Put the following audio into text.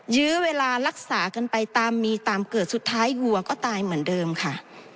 ยื้อเวลารักษากันไปตามมีตามเกิดสุดท้ายวัวก็ตายเหมือนเดิมค่ะ